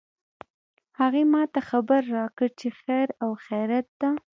هغې ما ته خبر راکړ چې خیر او خیریت ده